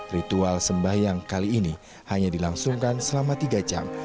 ritual sembahyang kali ini hanya dilangsungkan selama tiga jam